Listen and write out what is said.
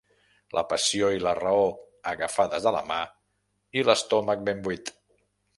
La passió i la raó agafades de la mà, i l'estómac ben buit.